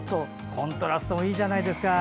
コントラストもいいじゃないですか。